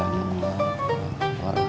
lima menit lagi